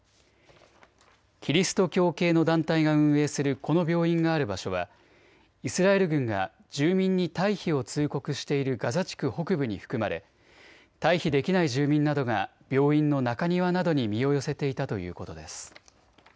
キリスト教系の団体が運営するこの病院がある場所はイスラエル軍が住民に退避を通告しているガザ地区北部に含まれ退避できない住民などが病院の中庭などに身を寄せていたということです。